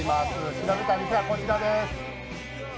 調べたいお店はこちらです。